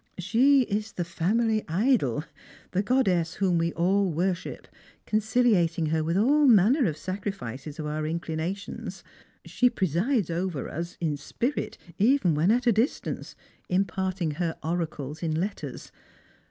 She ia the family idol ; the goddess whom we all worship, conciliating her with all manner of sacrifices of our inclinations. She pre sides over us in spirit even when at a distance, imparting her oracles in letters.